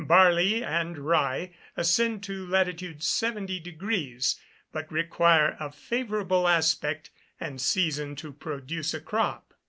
Barley and rye ascend to lat. 70 deg., but require a favourable aspect and season to produce a crop.